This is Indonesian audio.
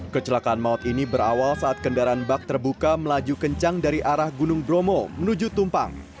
kecelakaan maut ini berawal saat kendaraan bak terbuka melaju kencang dari arah gunung bromo menuju tumpang